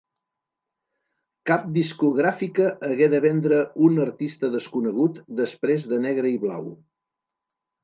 Cap discogràfica hagué de vendre un artista desconegut després de Negre i Blau.